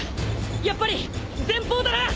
やっぱり前方だな！